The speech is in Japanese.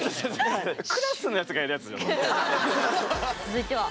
続いては。